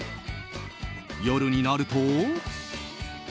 夜になると。